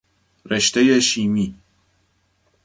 رشتهی شیمی